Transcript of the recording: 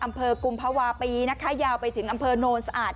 กุมภาวะปีนะคะยาวไปถึงอำเภอโนนสะอาด